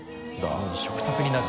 もう食卓になる。